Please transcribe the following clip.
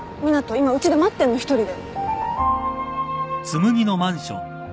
今うちで待ってるの一人で。